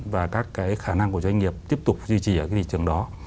và các cái khả năng của doanh nghiệp tiếp tục duy trì ở cái thị trường đó